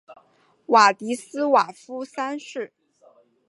瓦迪斯瓦夫三世。